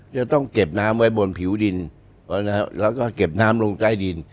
จะต้องเก็บน้ำไว้บนผิวดินแล้วก็เก็บน้ำลงใต้ดิน